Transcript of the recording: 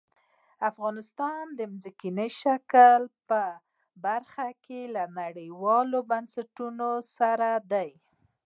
افغانستان د ځمکني شکل په برخه کې له نړیوالو بنسټونو سره دی.